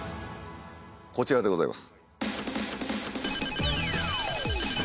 こちらでございます。